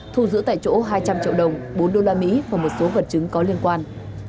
thu giữ tại chỗ hai trăm linh triệu đồng bốn đô la mỹ và một số vật chứng có liên quan